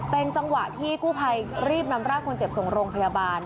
เป็นจังหวะที่กู้ภัยรีบนำร่างคนเจ็บส่งโรงพยาบาล